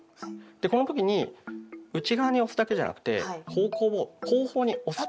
でこの時に内側に押すだけじゃなくて方向を後方に押すと。